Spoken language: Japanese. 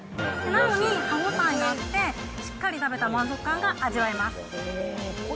なのに歯応えがあって、しっかり食べた満足感が味わえます。